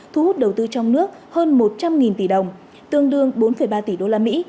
thu hút đầu tư trong nước hơn một trăm linh tỷ đồng tương đương bốn ba tỷ đô la mỹ